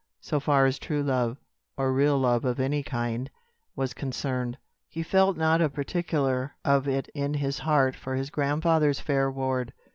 So far as true love or real love of any kind was concerned, he felt not a particle of it in his heart for his grandfather's fair ward.